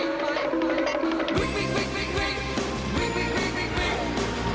อืม